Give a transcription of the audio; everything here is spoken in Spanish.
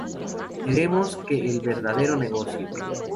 Queremos que el verdadero negocio".